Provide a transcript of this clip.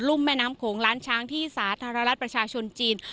ุ่มแม่น้ำโขงล้านช้างที่สาธารณรัฐประชาชนจีน